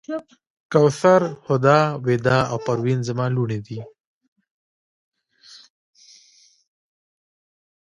کوثر، هُدا، ویدا او پروین زما لوڼې دي.